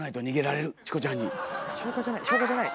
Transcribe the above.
消化じゃない？